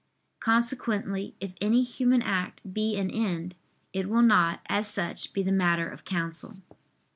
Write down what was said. Consequently if any human act be an end, it will not, as such, be the matter of counsel.